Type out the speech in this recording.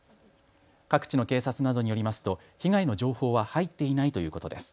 各地の警察などによりますと被害の情報は入っていないということです。